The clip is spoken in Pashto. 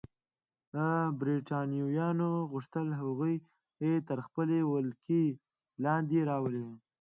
برېټانویانو غوښتل هغوی تر خپلې ولکې لاندې راولي.